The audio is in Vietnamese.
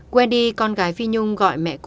quen đi con gái phi nhung gọi mẹ cô